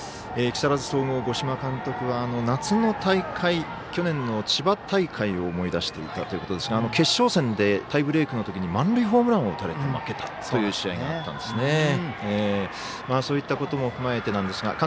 木更津総合、五島監督は夏の大会去年の千葉大会を思い出していたということですが決勝戦でタイブレークのときに満塁ホームランを打たれて負けたという試合があったんですね。